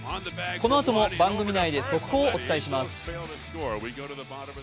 このあとも番組内で速報をお伝えします。